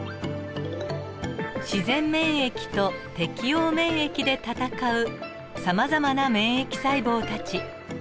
自然免疫と適応免疫で戦うさまざまな免疫細胞たち。